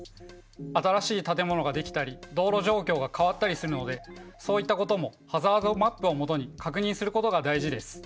新しい建物が出来たり道路状況が変わったりするのでそういったこともハザードマップを基に確認することが大事です。